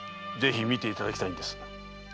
ぜひ見ていただきたいんです。